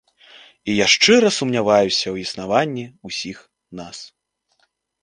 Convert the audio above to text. І я шчыра сумняваюся ў існаванні ўсіх нас.